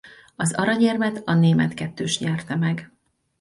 Az aranyérmet a német kettős nyerte meg.